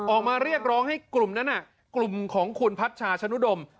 ออกมาเรียกร้องให้กลุ่มนั้นกลุ่มของคุณพัชชาชนุดม